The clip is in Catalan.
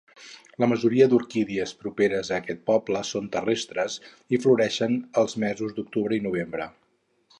La majoria d'orquídies properes a aquest poble són terrestres i floreixen els mesos d'octubre i novembre.